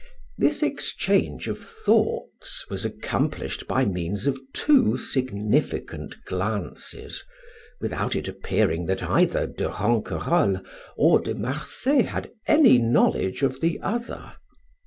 This exchange of thoughts was accomplished by means of two significant glances, without it appearing that either De Ronquerolles or De Marsay had any knowledge of the other.